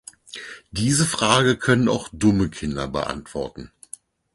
Diese Frage können auch dumme Kinder beantworten.